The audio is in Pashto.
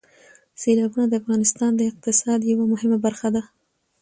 سیلابونه د افغانستان د اقتصاد یوه مهمه برخه ده.